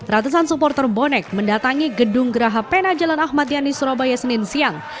ratusan supporter bonek mendatangi gedung geraha pena jalan ahmad yani surabaya senin siang